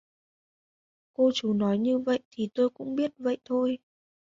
Cô chú nói như vậy thì tôi cũng biết vậy thôi